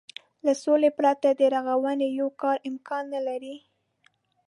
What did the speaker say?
له سولې پرته د رغونې يو کار امکان نه لري.